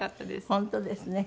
本当ですね。